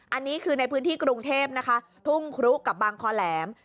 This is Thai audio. อันนี้คือในพื้นที่กรุงเทพนะคะทุ่งครุกับบางคอแหลม